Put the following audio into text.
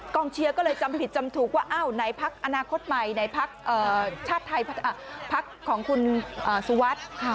กองเชียร์จำผิดจำถูกว่าพักอนาคตใหม่ชาติพักของคุณสุวัสธิ์